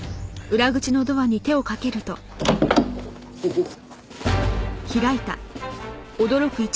おっ。